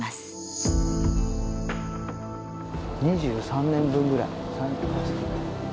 ２３年分ぐらい。